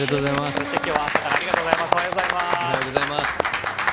そして今日は朝からありがとうございます。